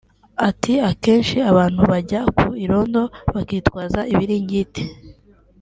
Ati”Akenshi abantu bajya ku irondo bakitwaza ibiringiti